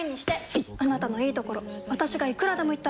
いっあなたのいいところ私がいくらでも言ってあげる！